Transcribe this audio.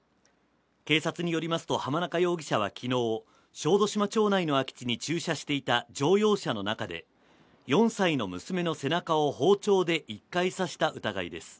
警察によりますと濱中容疑者はきのう小豆島町内の空き地に駐車していた乗用車の中で４歳の娘の背中を包丁で１回刺した疑いです